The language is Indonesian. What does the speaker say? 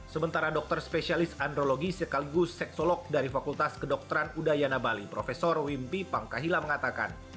sementara dokter spesialis andrologi sekaligus seksolog dari fakultas kedokteran udayana bali prof wimpy pangkahila mengatakan